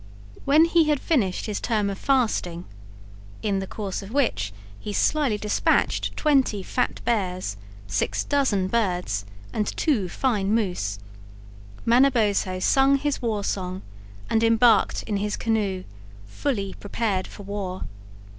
When he had finished his term of fasting, in the course of which he slyly dispatched twenty fat bears, six dozen birds, and two fine moose, Manabozho sung his war song and embarked in his canoe, fully prepared for war.